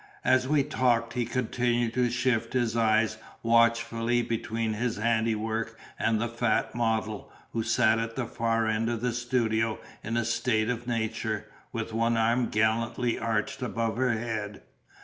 As we talked, he continued to shift his eyes watchfully between his handiwork and the fat model, who sat at the far end of the studio in a state of nature, with one arm gallantly arched above her head.